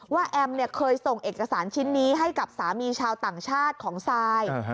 แอมเคยส่งเอกสารชิ้นนี้ให้กับสามีชาวต่างชาติของซาย